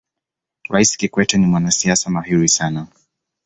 raisi kikwete ni mwanasiasa mahiri sana